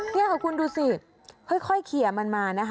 นี่ค่ะคุณดูสิค่อยเขียมันมานะคะ